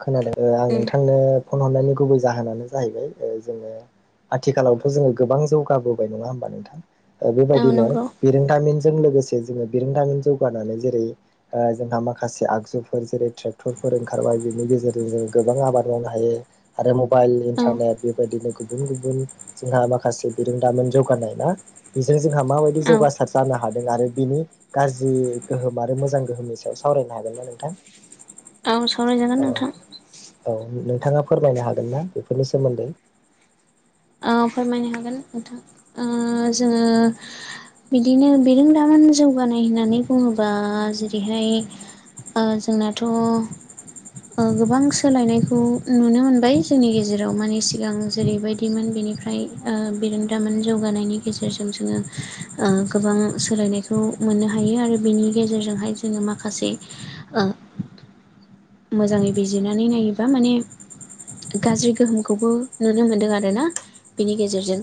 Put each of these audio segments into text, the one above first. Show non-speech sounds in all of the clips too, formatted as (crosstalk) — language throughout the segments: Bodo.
खोनादों आं उम नोंथांनो फन हरनायनि गुबै जाहोनानो जाहैबाय ओ जोङो आथिखालावथ' जोङो गोबां जौगाबोबाय नङा होमबा नोंथां औ बेबायदिनो नंगौ बिरोंदामिन जों लोगोसे जोङो बिरोंदामिन जौगानानै जेरै जोंहा माखासे आगजुफोर जेरै ट्रेक्टर फोर ओंखारबाय बेनि गेजेरजों जों गोबां आबाद मावनो हायो आरो मबाइल औ इन्टारनेट बेबायदिनो गुबुन गुबुन जोंहा माखासे बिरोंदामोन जौगानाय ना बेजों जोंहा माबायदि औ जौगासार जानो हादों आरो बिनि गाज्रि गोहोम आरो मोजां गोहोमनि सायाव सावरायनो हागोन ना नोंथां औ सावरायजागोन औ नोंथां औ नोंथाङा फोरमायनो हागोन ना बेफोरनि सोमोन्दै औ फोरमायनो हागोन नोंथां ओ जोङो बिदिनो बिरोंदामोन जौगानाय होननानै बुङोबा जेरैहाय ओ जोंनाथ' गोबां सोलायनायखौ नुनो मोनबाय जोंनि गेजेराव मानिे सिगां जेरैबायदिमोन बेनिफ्राय ओ बिरोंदामोन जौगानायनि गेजेरजों जोङो गोबां सोलायनायखौ मोननो हायो आरो बेनि गेजेरजोंहाय जोङो माखासे ओ (inaudible) मोजाङै बिजिरनानै नायोबा माने गाज्रि गोहोमखौबो नुनो मोनदों आरोना बेनि गेजेरजों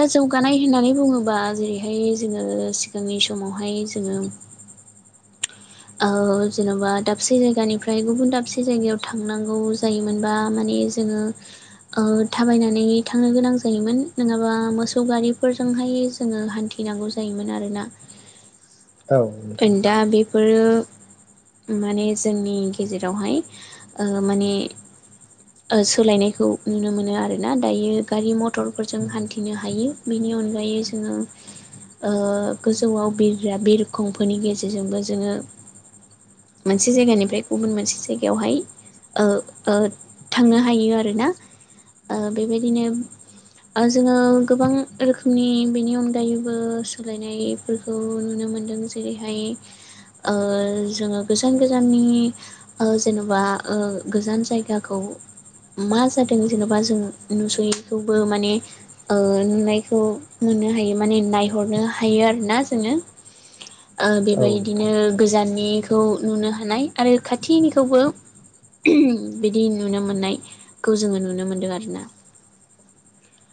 दा जौगानाय होननानै बुङोबा जेरैहाय जोङो सिगांनि समावहाय जोङो (inaudible) ओ जेन'बा दाबसे जायगानिफ्राय गुबुन दाबसे जायगायाव थांनांगौ जायोमोनबा मानिे बे जोङो ओ थाबायनानै थांनो गोनां जायोमोन नङाबा मोसौ गारिफोरजोंहाय जोङो हान्थि नांगौ जायोमोन आरोना औ नोंथां औ दा बेफोरो माने जोंनि गेजेरावहाय ओ माने ओ सोलायनायखौ नुनो मोनो आरोना दायो गारि मथरफोरजों हान्थिनो हायो बेनि बेनि अनगायै जोङो ओ गोजौवाव बिरग्रा बिर खंफोरनि गेजेरजोंबो जोङो मोनसे जायगानिफ्राय गुबुन मोनसे जायगायावहाय ओ थांनो हायो आरोना ओ बेबायदिनो जोङो गोबां रोखोमनि बेनि अनगायैबो सोलायनायफोरखौ नुनो मोनदों जेरैहाय ओ जोङो गोजान गोजाननि ओ जेनबा गोजान जायगाखौ मा जादों जेनेबा जों नुसयैखौबो माने ओ नुनायखौ नुनो हायो माने नायहरनो हायो आरोना जोङो (inaudible) ओ औ बेबायदिनो नोंथां गोजाननिखौ नुनो हानाय आरो खाथिनिखौबो बिदि नुनो मोननायखौ जोङो नुनो मोनदों आरो ना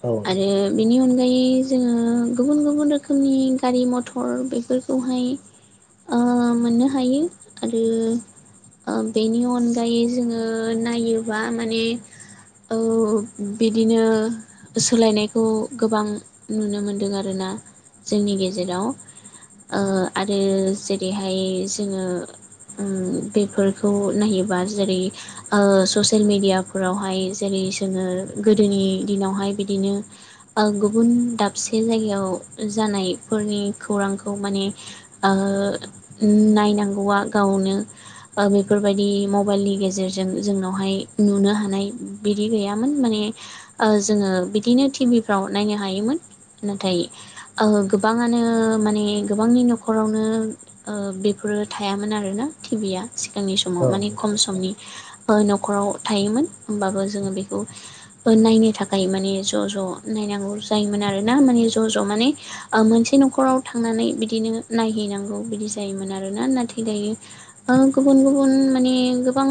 औ आरो नोंथां बिनि अन गायै जोङो गुबुन गुबुन रोखोमनि गारि मथर बेफोरखौहाय ओ मोननो हायो आरो बेनि अनगायै जोङो नायोबा माने औ बिदिनो सोलायनायखौ गोबां नुनो मोनदों आरोना। जोंनि गेजेराव ओ आरो जेरैहाय जोङो ओम बेफोरखौ नायोबा जेरै ससियेल मेडियाफोरावहाय जेरै जोङो गोदोनि दिनावहाय बिदिनो गुबुन दाबसे जायगायाव जानायफोरनि खौरां खौ माने ओ नायनांगौआ गावनो बेफोरबायदि मबाइलनि गेजेरजों जोंनावहाय नुनो हानाय बिदि गैयामोन माने ओ जोङो बिदिनो टिभिफ्राव नायनो हायोमोन। नाथाय गोबाङानो माने गोबांनि न'खरावनो बेफोरो थायामोन आरोना टिभिया सिगांनि समाव औ मानि नोंथां खम समनि न'खराव थायोमोन होमबाबो जोङो बेखौ नायनो थाखाय माने ज' ज' नायनो जायोन आरोना माने ज' ज' मान मोनसे न'खराव थांनानै बिदिनो नायहैनांगौ बिदि जायोमोन आरोना नाथाय दायो गुबुन गुबुन माने गोबां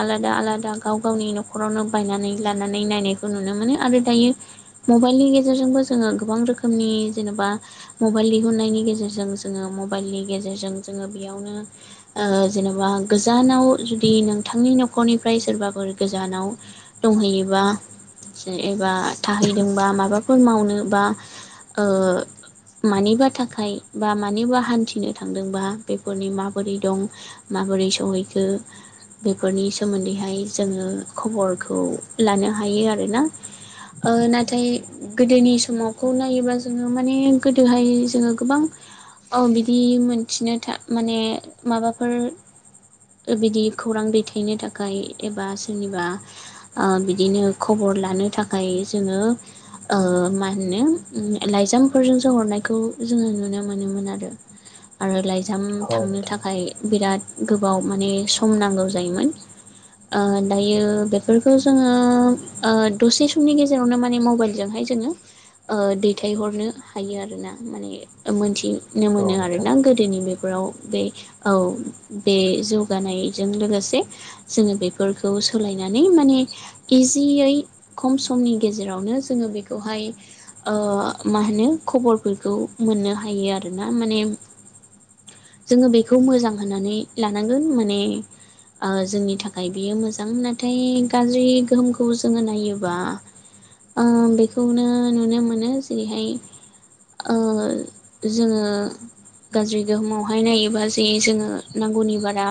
आलादा आलादा गाव गावनि न'खरावनो बायनानै लानानै नायनायखौ नुनो मोनो आरो आरो दायो मबाइलनि गेजेरजोंबो जोङो गोबां रोखोमनि जेनेबा मबाइल दिहुननायनि गेजेरजों जो मबाइलनि गेजेरजों जोङो बेयावनो जेनेबा गोजानाव जुदि नोंथांनि न'खरनिफ्राय सोरबाफोर गोजानाव दंहैयोबा एबा थाहैदोंबा माबाफोर मावनो बा मानिबा थाखाय बा मानिबा हान्थिनो थांदोंबा बेफोरनि माबोरै दं माबोरै सहैखो बेफोरनि सोमोन्दैहाय जोङो खबरखौ लानो हायो आरोना। नाथाय गोदोनि समावखौ नायोबा जोङो माने गोदोहाय जोङो गोबां औ बिदि मोनथिनो था माने माबाफोर बिदि खौरां दैथायनो थाखाय एबा सोरनिबा बिदिनो खबर हर लानो थाखाय जोङो मा होनो लाइजामफोरजोंसो हरनायखौ जोङो नुनो मोनोमोन आरो आरो लाइजाम औ थांनो नोंथां थाखाय बिराद गोबाव माने सम नांगौ जायोमोन। दायो बेफोरखौ जोङो दसे समनि गेजेरावनो माने मबाइलजोंहाय जोङो दैथायहरनो हायो आरोना माने मोनथिनो औ मोनो नोंथां आरोना गोदोनि बे फोराव बे औ बे जौगानायजों लोगोसे जोङो बेफोरखौ सोलायनानै माने इजियै खम समनि गेजेरावनो जोङो बेखौहाय अ मा होनो खबरफोरखौ मोननो हायो आरोना माने जोङो बेखौ मोजां होननानै लानांगोन माने आ जोंनि थाखाय बियो मोजां नाथाय गाज्रि गोहोमखौ जोङो नायोबा आ बेखौनो नुनो मोनो जेरैहाय ओ जोङो गाज्रि गोहोमावहाय नायोबा जे जोङो नांगौनि बारा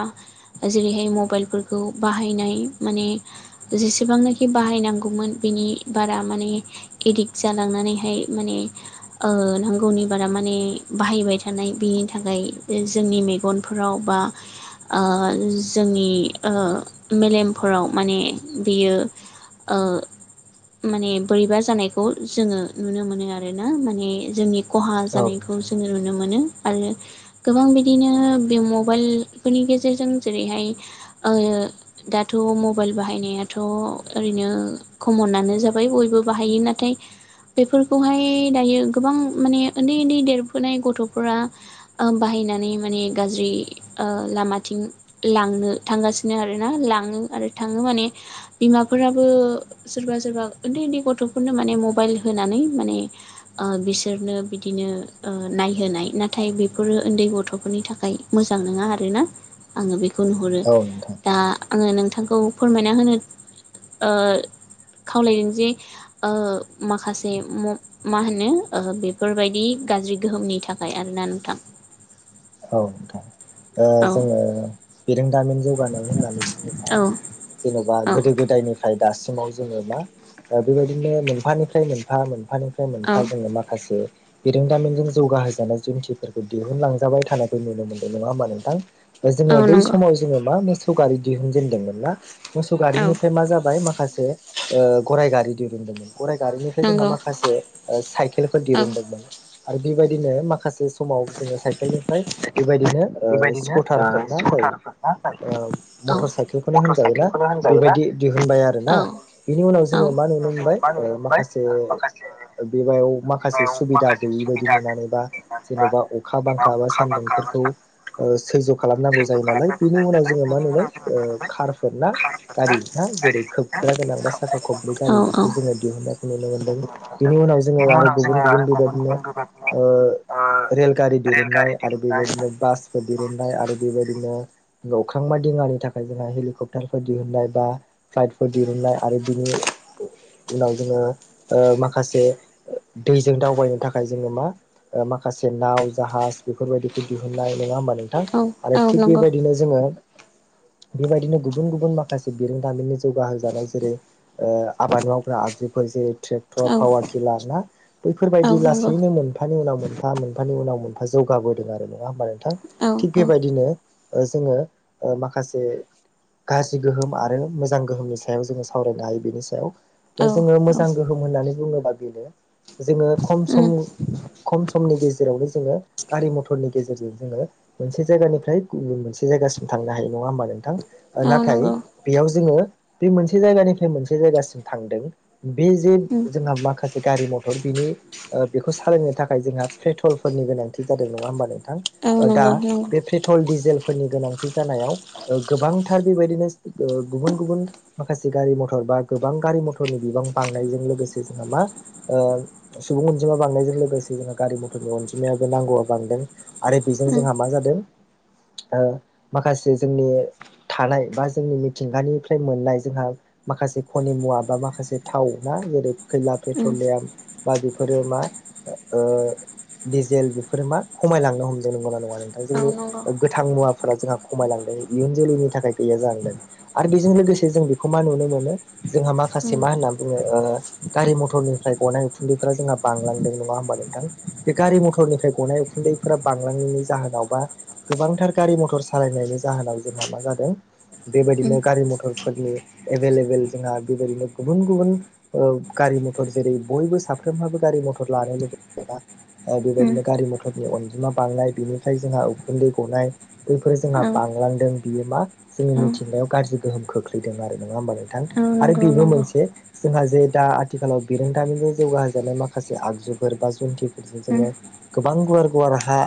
जेरैहाय मबाइलफोरखौ बाहायनाय माने जेसेबांनाखि बाहायनांगौमोन बिनि बारा माने गिदिद जनानै माने नांगौनि बारा मा माने बाहायबाय थानाय बिनि थाखाय जोंनि मेगनफोराव बा जोंनि मेलेमफोराव माने बियो ओ माने बोरैबा जानायखौ जोङो नुनो मोनो आरो ना माने जोंनि खहा औ जानायखौ दोन जोङो नुनो मोनो आरो गोबां बिदिनो बे मबाइलफोरनि गेजेरजों जेरैहाय दाथ' मबाइल बाहायनायाथ' ओरैनो कमनानो जाबाय बयबो बाहायो नाथाय बेफोरखौहाय दायो गोबां माने उनदै उनदै नाय गथ'फोरा बाहायनानै माने गाज्रि लामाथिं थांगासिनो आरोना लाङो आरो थाङो माने बिमाफोराबो सोरबा सोरबा उनदै उनदै गथ'फोरनो माने मबाइल होनानै माने बिसोरनो बिदिनो नायहोनाय नाथाय बेफोरो उन्दै गथ'फोरनि थाखाय मोजां नङा आरोना आङो बेखौ खौ नुहुरो औ नोंथां दा आङो नोंथांखौ फोरमायना होनो ओ खावलायदों जे माखासे मा होनो बेफोरबायदि गाज्रि गोहोमनि थाखाय आरोना नोंथां औ नोंथां औ जोङो बिरोंदामिन जौगानाय होननानै बुङोबा औ जेन'बा गोदो गोदायनिफ्राय दासिमाव जोङो मा बेबायदिनो मोनफानिफ्राय मोनफा मोनफानि फ्राय औ मोनफा जोङो माखासे बिरोंदामिनजों जौगाहोजानाय जुन्थिफोरखौ दिहुनलांजाबाय थानायखौ नुनो मोनदों नङा होमबा नोंथां जोङो औ बै नंगौ समाव जोङो मा मोसौ गारि दिहुनजेनदोंमोन ना मोसौ औ गारिनिफ्राय मा जाबाय माखासे गराइ गारि दिरुंदोंमोन गराइ गारिनिफ्राय जोंहा नंगौ माखासे साइकेलफोर औ दिरुनदोंमोन आरो बेबायदिनो माखासे समाव जोङो साइकेलनिफ्राय बेबायदिनो स्कुटारफोरना जाय औ मटर साइकेलखौनो होनजायो ना बेबायदि दिहुनबाय आरो ना बिनि उनाव औ जोङो मा नुनो मोनबाय माखासे बेबायाव माखासे सुबिदा गैयै बायदि नुनानैबा जेनेबा अखा बांखा बा सैज्य' खालामनांगौ जायो नालाय बेनि उनाव जोङो मा नुबाय कारफोर ना गारि ना जेरै खोबग्रा गोनां बा साखा खबनै गोनां औ गारि बेखौ नंगौ जोङो दिहुननायखौ नुनो मोनदों बिनि उनाव जोङो आरो गुबुन गुबुन बेबायदिनो रेल गारि दिहुननाय आरो बेबायदिनो बासफोर दिहुननाय आरो बेबायदिनो अख्रांबा दिङानि थाखाय जोंहा हेलिकप्टारफोर दिहुुननाय बा फ्लाइटफोर दिहुननाय आरो बिनि उनाव जोङो माखासे दैजों दावबायनो थाखाय जोङो मा माखासे नाव जाहाज बेफोरबायदिखौ दिहुननाय नङा होमबा नोंथां औ आरो औ थिग बेबायदिनो जोङो बेबायदिनो गुबुन गुबुन माखासे बिरोंदामिननि जौगाहोजानाय जेरै आबाद मावग्रा आगजुफोर जेरै ट्रेक्टर पावार टिलार ना बैफोरबायदि नंगौ औ लासैनो मोनफानि उनाव मोनफा मोनफानि उनाव मोनफा जौगाबोदों आरो नङा होमबा नोंथां औ थिग औ बेबायदिनो जोङो माखासे गाज्रि गोहोम आरो मोजां गोहोमनि सायाव जोङो सावरायनो हायो बेनि सायाव जोङो मोजां गोहोम होननानै बुङोबा बेनो जोङो खम उम सम खम समनि गेजेरावनो जोङो गारि मथरनि गेजेरजों जोङो मोनसे जायगानिफ्राय गुबुन मोनसे जायगासिम थांनो हायो नङा होमबा नोंथां औ नाथाय नंगौ बेयाव जोङो बे मोनसे जायगानिफ्राय मोनसे जायगासिम थांदों बे जे उम जोंहा माखासे गारि मथर बिनि बेखौ सालायनो थाखाय जोंहा पेट्रलफोरनि गोनांथि जादों नङा होमबा नों थां औ दा नंगौ नंगौ बे पेट्रल डिजेल फोरनि गोनांथि जानायाव गोबांथार बेबायदिनो गुबुन गुबुन माखासे गारि मथर बा गोबां गारि मथरनि बिबां बांनायजों लोगोसे जोंहा मा सुबुं अनजिमा बांनायजों लोगोसे लोगोसे जोंहा गारि मथरनि अनजिमायाबो नांगौआ बांदों आरो बेजों उम जोंहा मा जादों माखासे जोंनि थानाय बा जोंनि मिथिंगानिफ्राय मोननाय जोंहा माखासे खनि मुवा बा माखासे थाव ना जेरै खैला उम प्रेटलियाम बा बेफोरो मा ओ डि जेल बेफोर मा खमायलांनो हमदों नंगौना नङा नोंथां औ जोंनि नंगौ गोथां मुवाफोरा जोंहा खमायलांदों इयुन नि थाखाय गैया जालांदों आरो बेजों लोगोसे जों बेखौ मा नुनो मोनो जोंहा माखासे उम मा होनना बुङो गारि मथरनिफ्राय गनाय उखुन्दैफोरा जोंहा बांलांदों नङा होमबा नोंथां बे गारि मथर मथरनिफ्राय गनाय उखुन्दैफोरा बांलांनायनि जाहोनाव बा गोबांथार गारि मथर सालायनायनि जाहोनाव जों मा जादों उम बेबायदिनो गारि मथरफोरनि एभेलेबेल जोंहा बेबायदिनो गुबुन गुबुन ओ गारि रि मथर जेरै बयबो साफ्रोमहाबो गारि मथर लानो लुगैबायबा ओ बे (unintelligible) उम बिदिनो गारि मथरनि अनजिमा बांनाय बेनिफ्राय जोंहा उखुन्दै गनाय बैफोर जोंहा औ बांलांदों बियो मा जोङनि मिथिंगाव गाज्रि गोहोम खोख्लैदों आरो नङा होमबा नोंथां औ आरो नंगौ बेबो नंगौ मोनसे जोंहा जे दा आथिखालाव बिरोंथामिजों जौगाहजानाय माखासे आगजुफोर बा जन्थिफोरजों उम जोङो गोबां गुवार गुवार हा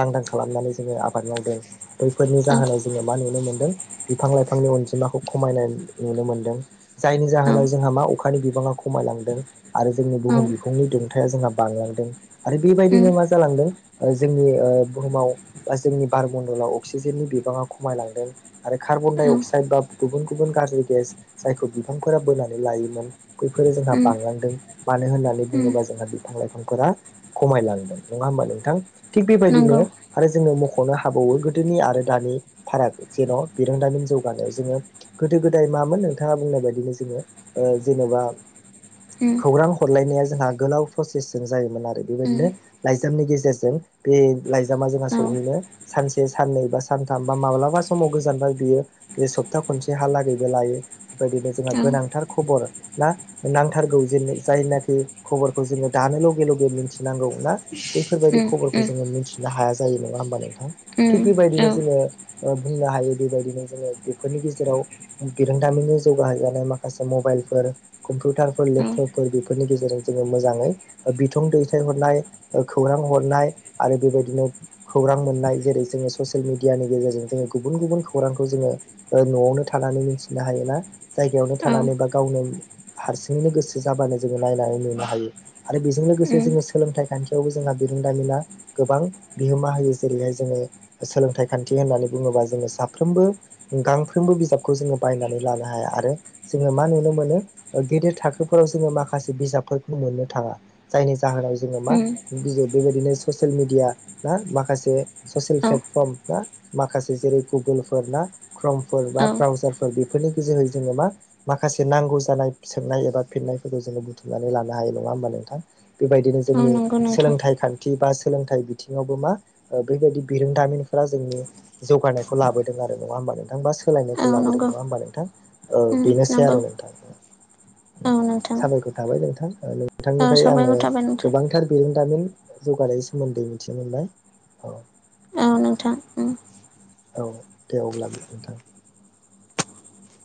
लांदां खालामनानै जोङो आबाद मावदों बैफोरनि औ जाहोनाव जोङो मा नुनो मोनदों बिफां लाइफांनि अनजिमाखौ खमायनाय नुनो मोनदों जायनि औ जाहोनाव जोंहा मा अखानि बिबाङा खमायलांदों आरो जोंनि औ बुहुम बिखुंनि दुंथाया जोंहा बांलांदों आरो उम बेबायदिनो मा जालांदों जोंनि बुहुमाव बा जोंनि बारबन दलाव अक्सिजेननि बिबाङाव खमायलांदों आरो कार्बन औ डाइ उम अक्साइड बा गुबुन गुबुन गाज्रि गेस जायखौ बिफांफोरा बोनानै लायोमोन बैफोरो जोंहा बांलांदों मानो होननानै उम बुङोबा जोंहा बिफां लाइफांफोरा खमायलांदों नङा होमबा नोंथां थिग बेबायदिनो नंगौ आरो जोङो मख'नो हाबावो गोदोनि आरो दानि फाराग जेन' बिरोंदामिन जौगानायाव जोङो गोदो गोदाय मामोन नोंथाङा बुंनाय बायदिनो जोङो ओ जेनेबा उम खौरां हरलायनाया जोंहा गोलाव प्रसेसजों जायोमोन आरो उम बेबायदिनो लाइजामनि गेजेरजों बे लाइजामा जोंहा औ सहैनो सानसे साननै बा सान थांबा माब्लाबा समाव गोजानबाय बियो सप्ता खनसे हलागैबो लायो बेबायदिनो जोंहा उम गोनां नांथारगौ जा जायनाखि खबरखौ जोङो दानो ले लगेथि नांगौ ना बैफोरबायदि उम खबरखौ जोङो मिथि हाया जायो नङा हबा नोंथां थिग उम औ बेबायदिनो जोङो बुंनो हायो बेबायदिनो जोङो बेफोरनि गेजेराव बिरोंदामिननि जौगानाय माखासे मबाइलफोर कम्पिउटारफोर औ उम लेपटप बेफोरनि गेजेरजों जोङो मोजाङै बिथं दै फिथाइ हरनाय खौरां हरनाय आरो बेबायदिनो खौरां मोननाय जेरै जोङो ससियेल मिडियानि गेजेरजों जोङो गुबुन गुबुन खौरांखौ जोङो न'आवनो थानानै नानै मिथिनो हायो ना जायगायावनो थानानै बा गावनो हारसिंैनो गोसो जाबानो जोङो नायनानै मोननो हायो आरो बेजों लोगोसे उम जङो सोलोंथाइ खान्थियावबो जोंहा बिरोंदामिना गोबां बिहोमा होयो जेरैहाय जोङो थाइ खान्थि होननानै बुङोबा जोङो साफ्रोमबो गांफ्रोमबो बिजाबखौ जोङो बायनानै लानो हाया आरो जोङो मा नुनो मोनो गेदेर थाखोफोराव जोङो माखासे बिजाबफोरखौ मोननो थाङा जायनि जाहोनाव जोङो मा बेबायदिनो ससियेल मिेडिया ना माखासे ससियेल औ फे फरम माखासे जेरै गुगोलफोर ना क्रमफोर बा औ ब्रउजारफोर बेफोरनि गोजोहै जोङो मा माखासे नांगौ जानाय सोंनाय एबा फिन्नायफोरखौ जोङो बुथुमनानै लानो हायो नङा होमबा नोंथां बेबायदिनो औ जोंनि नंगौ नोंथां सोलोंथाइ खान्थि बा सोलोंथाइ बिथिङावबो मा बेबायदि बिरोंदामिन जोंनि जौगानायखौ लाबोदों आरो नङा हबा नोंथां बा सोलायनायखौ औ लाबो नंगौ नङा हबा नोंथां उम बेनोसै नंगौ आरो नोंथां औ नोंथां साबायखर थाबाय नोंथां औ नोंथांनिफ्राय आङो साबायखर थाबाय नोंथां गोबांथार बिरोंदामिन जौगानायनि सोमोन्दै मिथिनो मोनलाय औ औ नोंथां उम औ दे अब्ला नोंथां